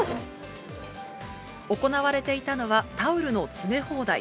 行われていたのは、タオルの詰め放題。